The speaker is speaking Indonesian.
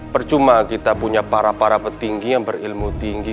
percuma kita punya para para petinggi yang berilmu tinggi